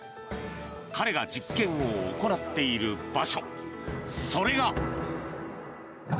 彼が実験を行っている場所それが。